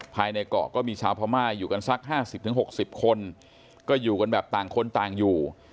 ภายในเกาะก็มีชาวพม่าอยู่กันสัก๕๐๖๐คนก็อยู่กันแบบต่างคนต่างอยู่